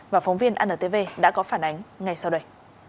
và phóng viên antv đã có phản ánh ngay sau đây